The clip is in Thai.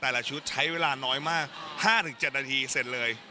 แต่ละชุดใช้เวลาน้อยมาก๕๗นาทีเสร็จเลย